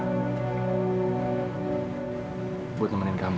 aku temenin kamu